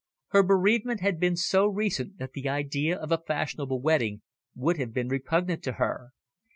Her bereavement had been so recent that the idea of a fashionable wedding would have been repugnant to her.